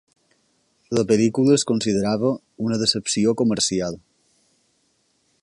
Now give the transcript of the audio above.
La pel·lícula es considerava una decepció comercial.